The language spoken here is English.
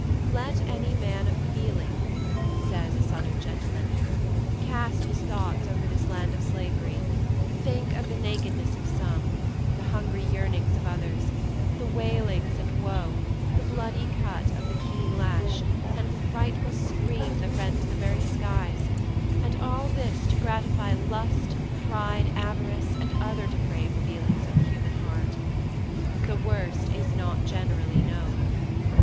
"Let any man of feeling," says a Southern gentleman, "cast his thoughts over this land of slavery, think of the nakedness of some, the hungry yearnings of others, the wailings and wo, the bloody cut of the keen lash, and the frightful scream that rends the very skies and all this to gratify lust, pride, avarice, and other depraved feelings of the human heart. THE WORST IS NOT GENERALLY KNOWN.